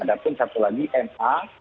ada pun satu lagi ma